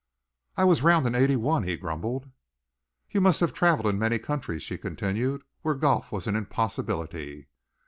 "I was round in eighty one," he grumbled. "You must have travelled in many countries," she continued, "where golf was an impossibility."